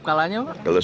kalau siap kalahnya